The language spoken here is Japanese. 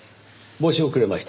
申し遅れました。